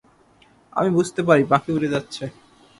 আমি বুঝতে পারি পাখি উড়ে যাচ্ছে।